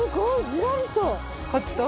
ずらりと。